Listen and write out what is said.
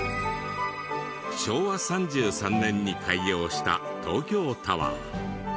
昭和３３年に開業した東京タワー。